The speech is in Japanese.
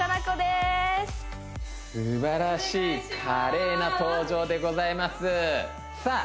すばらしい華麗な登場でございますさあ